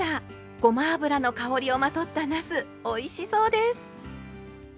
ごま油の香りをまとったなすおいしそうです！